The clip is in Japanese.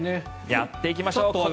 やっていきましょう。